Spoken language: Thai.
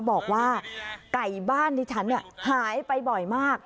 บอกว่าไก่บ้านดิฉันหายไปบ่อยมาก